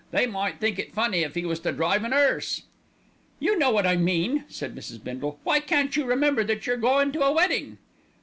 "They might think it funny if he was to drive an 'earse." "You know what I mean," said Mrs. Bindle. "Why can't you remember that you're goin' to a wedding."